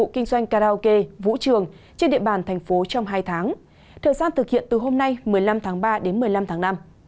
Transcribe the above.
kinh doanh karaoke vũ trường trên địa bàn thành phố trong hai tháng thời gian thực hiện từ hôm nay một mươi năm tháng ba đến một mươi năm tháng năm